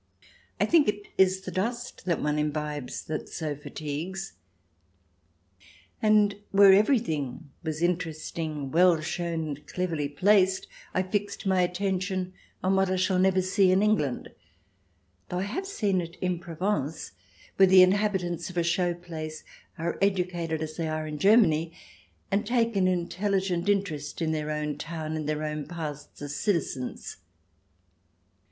I think it is the dust that one imbibes that so fatigues. And where every thing was interesting, well shown, cleverly placed, I fixed my attention on what I shall never see in England, though I have seen it in Provence, where the inhabitants of a show place are educated as they are in Germany, and take an intelligent interest in their own town, and their own pasts as citizens.